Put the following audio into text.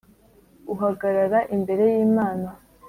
uhagarara imbere y’Imana